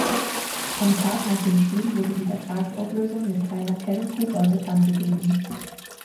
Am Tag nach dem Spiel wurde die Vertragsauflösung mit Trainer Kevin Cooper bekannt gegeben.